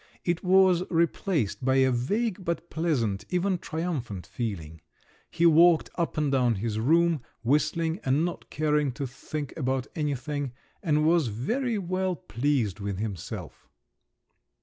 It was replaced by a vague, but pleasant, even triumphant feeling. He walked up and down his room, whistling, and not caring to think about anything, and was very well pleased with himself.